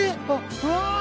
うわ！